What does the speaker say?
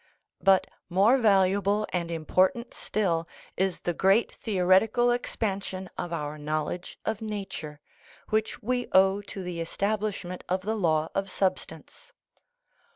But more valuable and important still is the great theoreti cal expansion of our knowledge of nature, which we owe to the establishment of the law of substance.